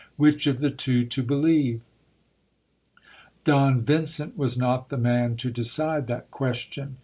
Which of the two to believe ? Don Vincent was not the man to decide that question.